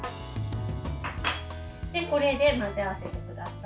これで、混ぜ合わせてください。